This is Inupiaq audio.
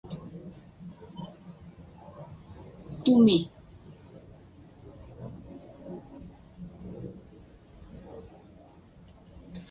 tumi